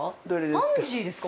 パンジーですか？